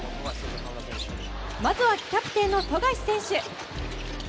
まずはキャプテンの富樫選手。